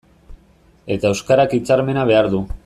Eta euskarak hitzarmena behar du.